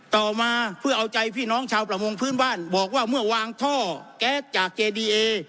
ต่อมาเพื่อเอาใจพี่น้องชาวประมงพื้นบ้านบอกว่าเมื่อวางท่อแก๊สจากเจดีเอ